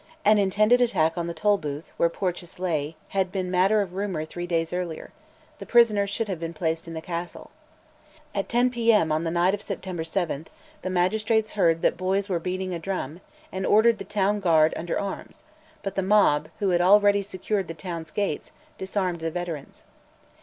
An intended attack on the Tolbooth, where Porteous lay, had been matter of rumour three days earlier: the prisoner should have been placed in the Castle. At 10 P.M. on the night of September 7 the magistrates heard that boys were beating a drum, and ordered the Town Guard under arms; but the mob, who had already secured the town's gates, disarmed the veterans.